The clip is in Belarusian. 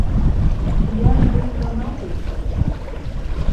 Я ж быў жанаты ў той час.